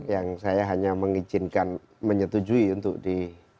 yang saya hanya mengizinkan menyetujui untuk di